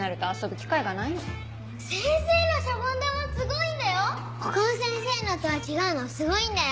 他の先生のとは違うのすごいんだよ！